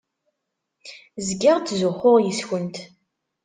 Zgiɣ ttzuxxuɣ yes-kent.